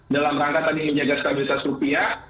dalam rangka tadi menjaga stabilitas rupiah